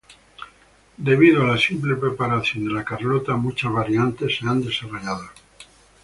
Debido a la simple preparación de la carlota, muchas variantes se han desarrollado.